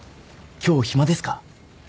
今日暇ですか？